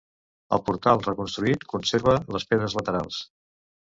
El portal, reconstruït, conserva les pedres laterals.